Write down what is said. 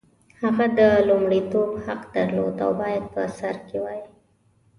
هغه د لومړیتوب حق درلود او باید په سر کې وای.